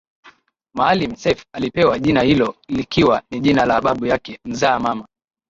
Maalim Seif alipewa jina hilo likiwa ni jina la babu yake mzaa mama